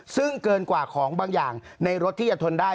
ซึ่งเกินกว่าของบางอย่างในรถที่จะทนได้